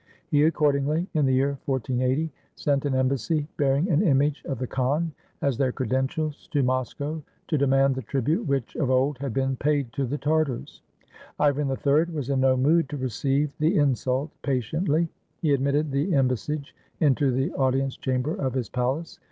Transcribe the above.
He accordingly, in the year 1480, sent an embassy, bearing an image of the khan as their credentials, to Moscow, to demand the tribute which of old had been paid to the Tartars. Ivan III was in no mood to receive the insult patiently. He admitted the embassage into the audience chamber of his palace.